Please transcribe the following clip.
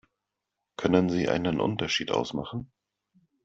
Können Sie einen Unterschied ausmachen?